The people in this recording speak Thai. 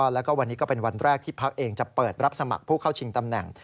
แล้วก็วันนี้ก็เป็นวันแรกที่พักเองจะเปิดรับสมัครผู้เข้าชิงตำแหน่ง